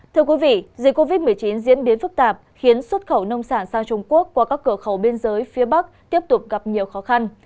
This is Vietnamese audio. thưa quý vị dịch covid một mươi chín diễn biến phức tạp khiến xuất khẩu nông sản sang trung quốc qua các cửa khẩu biên giới phía bắc tiếp tục gặp nhiều khó khăn